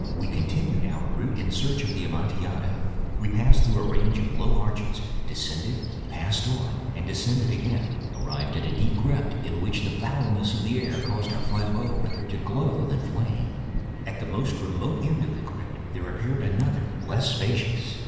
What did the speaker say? We continued our route in search of the Amontillado. We passed through a range of low arches, descended, passed on, and descending again, arrived at a deep crypt, in which the foulness of the air caused our flambeaux rather to glow than flame. At the most remote end of the crypt there appeared another less spacious.